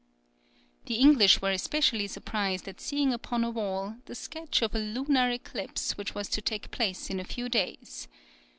The English were especially surprised at seeing upon a wall the sketch of a lunar eclipse which was to take place in a few days.